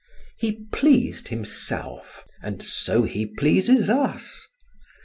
He pleased himself, and so he pleases us.